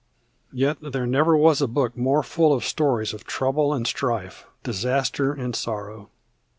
Yet there never was a book more full of stories of trouble and strife, disaster and sorrow.